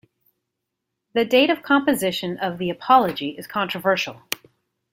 The date of composition of the "Apology" is controversial.